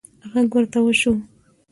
غږ ورته وشو: